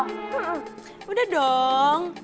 hmm udah dong